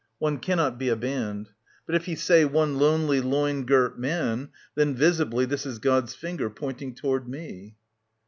One cannot be a band. But if he say One lonely loin girt man, then visibly This is God's finger pointing toward me.